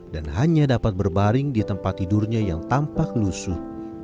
dan hanya dapat berbaring di tempat tidurnya yang tampak lusuh